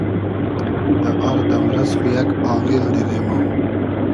دۂ آر دئمرئس خو یئگ آغیل دیرې مۉ